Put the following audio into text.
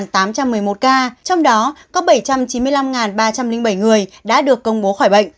trong đó có bảy trăm chín mươi năm ba trăm linh bảy người đã được công bố khỏi bệnh